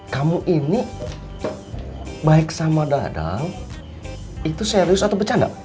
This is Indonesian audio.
kamu ini baik sama dadang itu serius atau bercanda